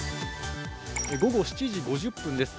午後７時５０分です。